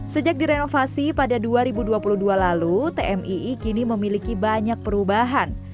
sejak direnovasi pada dua ribu dua puluh dua lalu tmii kini memiliki banyak perubahan